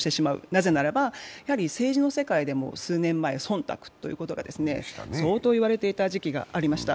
なぜならば、政治の世界でも数年前、忖度ということが相当言われていた時期がありました。